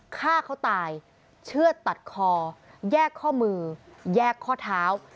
ฆ่าเขาตายเชื่อดตัดคอแยกข้อมือแยกข้อเท้า